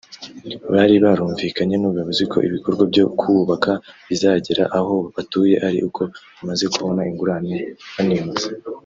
bari barumvikanye n’ubuyobozi ko ibikorwa byo kuwubaka bizagera aho batuye ari uko bamaze kubona ingurane banimutse